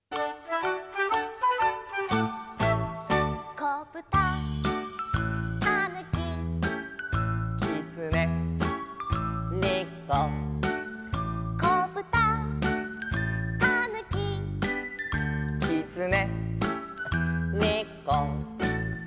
「こぶた」「たぬき」「きつね」「ねこ」「こぶた」「たぬき」「きつね」「ねこ」